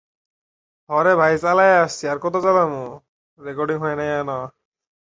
তখন তারা ঐ সম্পত্তিতে উৎপাদিত অর্ধেক ফসলের বিনিময়ে তাদেরকে আবার কাজে নিয়োগ দেয়ার জন্য অনুরোধ করে।